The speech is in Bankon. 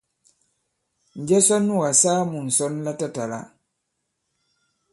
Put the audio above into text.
Njɛ sɔ nu kà-saa mu ŋ̀sɔn latatàla?